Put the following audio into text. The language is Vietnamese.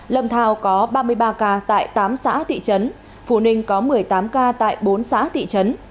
lâm thào có ba mươi ba ca tại tám xã tị trấn phù ninh có một mươi tám ca tại bốn xã tị trấn